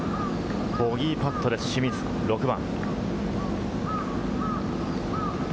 ボギーパットです、清水、６番。